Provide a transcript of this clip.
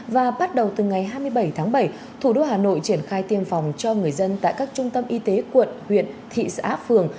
và bắt đầu từ ngày hai mươi bảy tháng bảy thủ đô hà nội triển khai tiêm phòng cho người dân tại các trung tâm y tế quận huyện thị xã phường